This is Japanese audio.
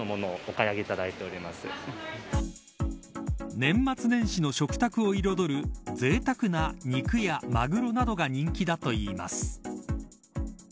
年末年始の食卓を彩るぜいたくな肉やマグロなどが人気だといいます。